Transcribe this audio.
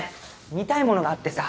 見たいものがあってさ。